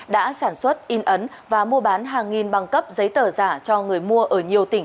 đã sản xuất in ấn và mua bán hàng nghìn bằng cấp giấy tờ giả cho người mua ở nhiều tỉnh